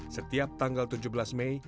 setiap tanggal tujuh belas mei